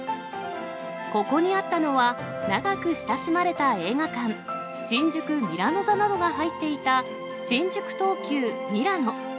ここにあったのは、長く親しまれた映画館、新宿ミラノ座などが入っていた新宿トウキュウミラノ。